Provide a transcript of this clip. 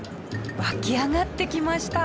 湧き上がってきました。